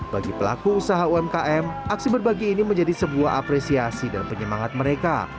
bagi pelaku usaha umkm aksi berbagi ini menjadi sebuah apresiasi dan penyemangat mereka